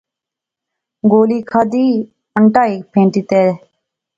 گولی کھادی، انٹا ہیک پھینٹی پی تہ